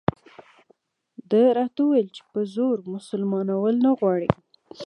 ده راته وویل چې په زور مسلمانول نه غواړي.